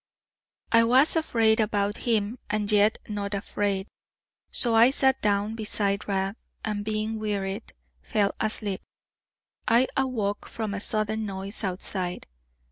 I was afraid about him, and yet not afraid; so I sat down beside Rab, and being wearied, fell asleep. I awoke from a sudden noise outside.